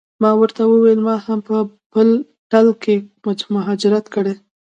ما ورته وویل ما هم په ټل کې مهاجرت کړی.